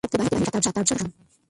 মুক্তিবাহিনীর সাত-আটজন শহীদ হন।